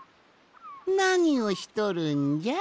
なにをしとるんじゃ？